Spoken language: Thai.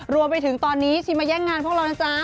รวมไปถึงตอนนี้ชิมมาแย่งงานพวกเรานะจ๊ะ